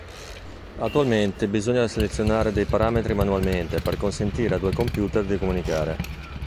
Attualmente bisogna selezionare dei parametri manualmente per consentire a due computer di comunicare.